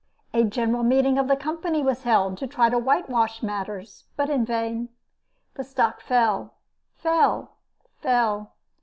A general meeting of the company was held to try to whitewash matters, but in vain. The stock fell, fell, fell.